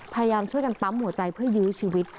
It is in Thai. พยายามช่วยกันปั๊มหัวใจเพื่อยื้อชีวิต